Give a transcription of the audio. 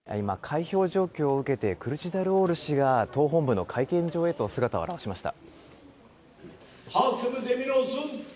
今、開票状況を受けて、クルチダルオール氏が党本部の会見場へと姿を現しました。